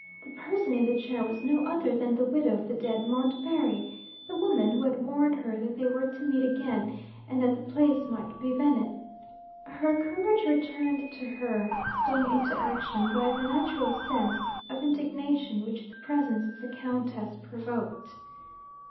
The person in the chair was no other than the widow of the dead Montbarry the woman who had warned her that they were to meet again, and that the place might be Venice! Her courage returned to her, stung into action by the natural sense of indignation which the presence of the Countess provoked.